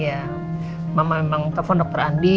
ya mama memang telepon dokter andi